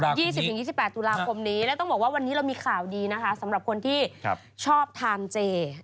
แน่นอน๒๐ถึง๒๘ธุราคมนี้และต้องบอกว่าวันนี้เรามีข่าวดีนะคะสำหรับคนที่ชอบทามเจ